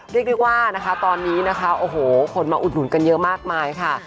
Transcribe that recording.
เรียกได้ว่านะคะตอนนี้นะคะโอ้โหคนมาอุดหนุนกันเยอะมากมายค่ะ